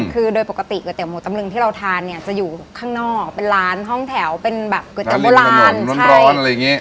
คือโดยปกติก๋วยเตี๋หมูตำลึงที่เราทานเนี่ยจะอยู่ข้างนอกเป็นร้านห้องแถวเป็นแบบก๋วยเตี๋ยวโบราณใช่